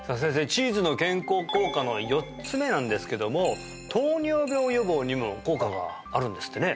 チーズの健康効果の４つ目なんですけども糖尿病予防にも効果があるんですってね